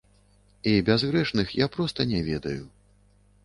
І бязгрэшных я проста не ведаю.